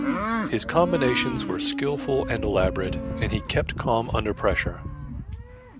His combinations were skillful and elaborate, and he kept calm under pressure.